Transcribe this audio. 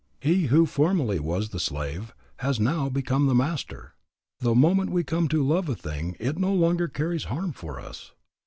He who formerly was the slave has now become the master. The moment we come to love a thing it no longer carries harm for us.